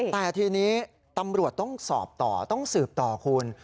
แต่ทีนี้ตำรวจต้องสอบต่อต้องสืบต่อคุณ